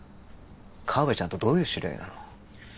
河部ちゃんとどういう知り合いなの？